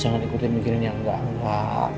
jangan ikutin mikirin yang enggak enggak